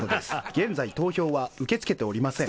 「現在投票は受け付けておりません」